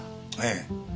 ええ。